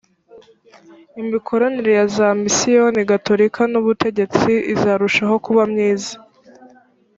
imikoranire ya za misiyoni gatorika n’ubutegetsi izarushaho kuba myiza